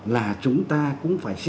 là chúng ta cũng phải xem thử